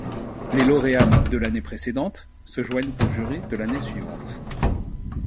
Les lauréates de l’année précédente se joignent au jury de l’année suivante.